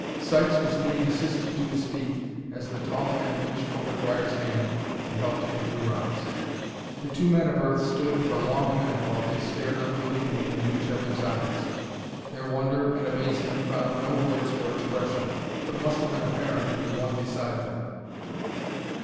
Sykes was being assisted to his feet as the tall man reached for McGuire's hand and helped him to rise. The two men of Earth stood for a long minute while they stared unbelievingly into each other's eyes. Their wonder and amazement found no words for expression but must have been apparent to the one beside them.